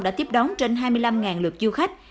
đã tiếp đón trên hai mươi năm lượt du khách